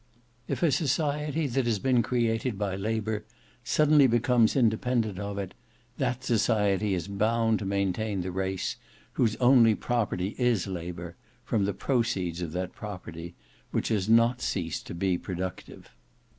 "If a society that has been created by labour suddenly becomes independent of it, that society is bound to maintain the race whose only property is labour, from the proceeds of that property, which has not ceased to be productive.